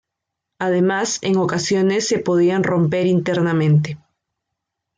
Además en ocasiones se podían romper internamente.